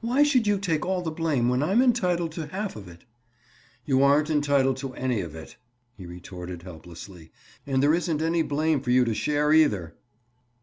"Why should you take all the blame when I'm entitled to half of it?" "You aren't entitled to any of it," he retorted helplessly. "And there isn't any blame for you to share, either."